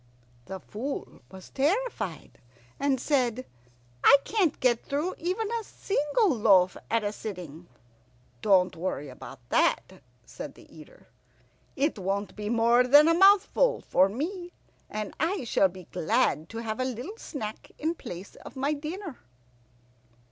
The Fool was terrified, and said, "I can't get through even a single loaf at a sitting." "Don't worry about that," said the Eater. "It won't be more than a mouthful for me, and I shall be glad to have a little snack in place of my dinner."